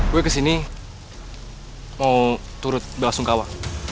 gue kesini mau turut bela sungkawa